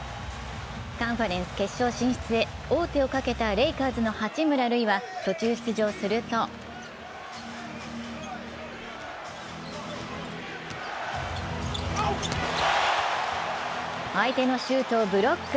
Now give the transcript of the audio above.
カンファレンス決勝進出へ王手をかけたレイカーズの八村塁は途中出場すると相手のシュートをブロック。